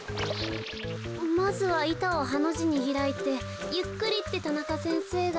まずはいたをハのじにひらいてゆっくりって田中先生が。